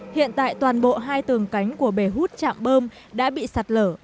hiện tại toàn bộ hai tường cánh của bề hút trạm bơm đã bị sạt lở